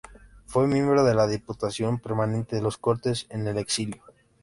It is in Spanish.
Fue miembro de la Diputación Permanente de las Cortes en el exilio.